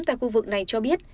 tại khu vực này cho biết